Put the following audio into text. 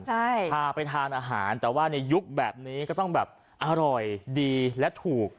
ใช่พาไปทานอาหารแต่ว่าในยุคแบบนี้ก็ต้องแบบอร่อยดีและถูก